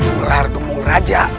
ular dumung raja